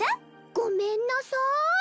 ごめんなさい。